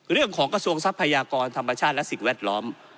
เรื่องของกระทรวงสรรพยากรธรรมชาติและสิ่งแวดล้อม